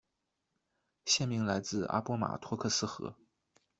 县名来自阿波马托克斯河。